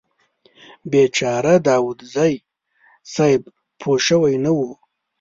بیچاره داوودزی صیب پوه شوي نه و.